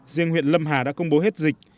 riêng huyện lâm hà đã công bố hết dịch